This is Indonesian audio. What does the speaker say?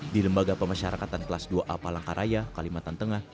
di lembaga pemasyarakatan kelas dua a palangkaraya kalimantan tengah